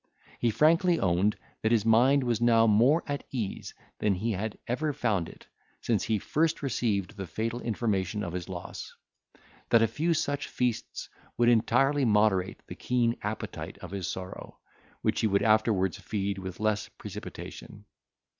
He frankly owned, that his mind was now more at ease than he had ever found it, since he first received the fatal intimation of his loss; that a few such feasts would entirely moderate the keen appetite of his sorrow, which he would afterwards feed with less precipitation.